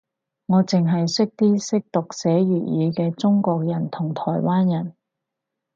我剩係識啲識讀寫粵語嘅中國人同台灣人